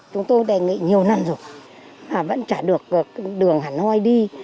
chúng tôi đề nghị nhiều năm rồi mà vẫn chả được đường hà nội đi